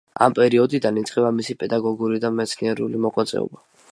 ამ პერიოდიდან იწყება მისი პედაგოგიური და მეცნიერული მოღვაწეობა.